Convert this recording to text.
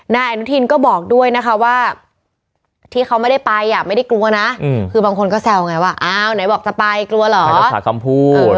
นายอนุทินก็บอกด้วยนะคะว่าที่เขาไม่ได้ไปอ่ะไม่ได้กลัวนะคือบางคนก็แซวไงว่าอ้าวไหนบอกจะไปกลัวเหรอคำพูด